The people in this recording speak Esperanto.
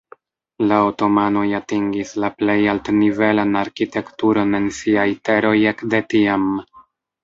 La otomanoj atingis la plej alt-nivelan arkitekturon en siaj teroj ekde tiam.